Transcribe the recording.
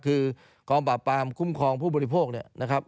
คือกองปราบปรามคุ้มครองผู้บริโภคเนี่ยนะครับ